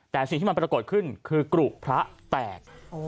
แต่สิ่งที่มันปรากฏขึ้นคือกรุพระแตก